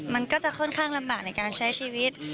มันก็จะค่อนข้างลำบากในการใช้ชีวิต